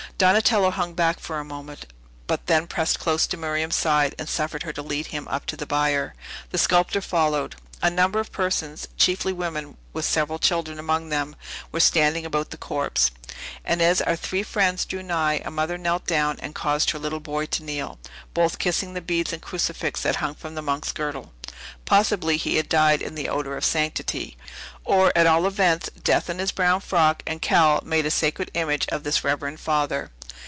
Donatello hung back for a moment, but then pressed close to Miriam's side, and suffered her to lead him up to the bier. The sculptor followed. A number of persons, chiefly women, with several children among them, were standing about the corpse; and as our three friends drew nigh, a mother knelt down, and caused her little boy to kneel, both kissing the beads and crucifix that hung from the monk's girdle. Possibly he had died in the odor of sanctity; or, at all events, death and his brown frock and cowl made a sacred image of this reverend father.